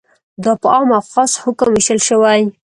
دا په عام او خاص حکم ویشل شوی.